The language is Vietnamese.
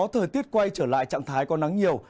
thời tiết quay trở lại trạng thái có nắng nhiều